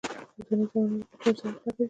اوسنۍ زمانې واقعیتونو سره اړخ لګوي.